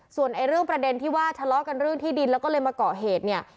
ส่วนเรื่องประเด็นที่ว่าทะเลาะกันเรื่องที่ดินแล้วก็เลยมาเกาะเหตุเนี่ย